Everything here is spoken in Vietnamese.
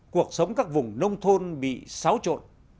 cuộc sống các vùng nông thôn bị xáo trộn